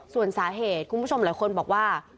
ส่วนสาเหตุคุณผู้ชมหลายคนบอกว่า